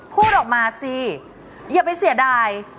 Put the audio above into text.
พูดออกมาสิอย่าไปเสียดาย